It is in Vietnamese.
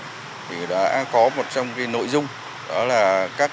thì đã có một trong cái nội dung là các trường hợp đã kiểm tra xử lý bảy mươi sáu trường hợp vi phạm luật